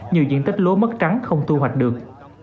nhiều diện tích lúa mất trắng không thu hoạch được